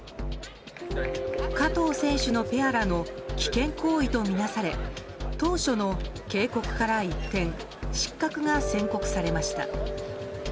加藤選手のペアらの危険行為とみなされ当初の警告から一転失格が宣告されました。